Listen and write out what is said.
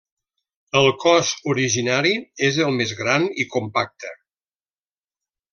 El cos originari és el més gran i compacte.